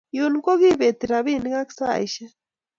Yun ko kepeti rabinik ak saishek